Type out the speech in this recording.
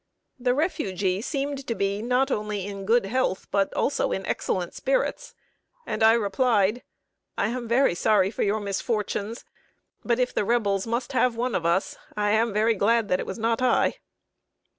The refugee seemed to be not only in good health, but also in excellent spirits, and I replied: "I am very sorry for your misfortunes; but if the Rebels must have one of us, I am very glad that it was not I."